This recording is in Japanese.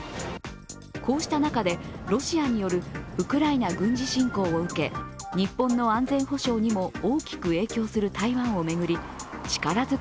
こうした中で、ロシアによるウクライナ軍事侵攻を受け日本の安全保障にも大きく影響する台湾を巡り力